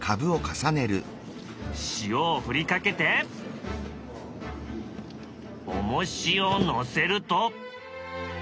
塩を振りかけておもしを載せると。